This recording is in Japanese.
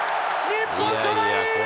日本、トライ！